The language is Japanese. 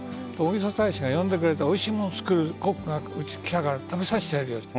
大使が呼んでくれておいしいものを作るコックだったから食べさせてやれ。